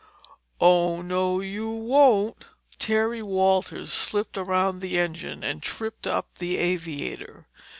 "Oh, no you won't!" Terry Walters slipped round the engine and tripped up the aviator.